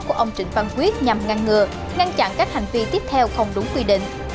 của ông trịnh văn quyết nhằm ngăn ngừa ngăn chặn các hành vi tiếp theo không đúng quy định